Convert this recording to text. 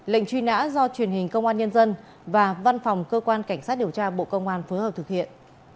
lệnh truy nã do truyền hình công an nhân dân và văn phòng cơ quan cảnh sát điều tra bộ công an phối hợp thực hiện